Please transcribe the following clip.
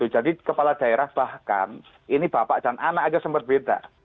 jadi kepala daerah bahkan ini bapak dan anak aja sempat beda